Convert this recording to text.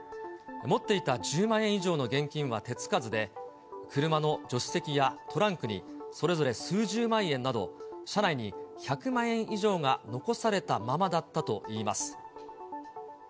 持っていた１０万円以上の現金は手つかずで、車の助手席やトランクに、それぞれ数十万円など、車内に１００万円以上が残されたままだったといいます。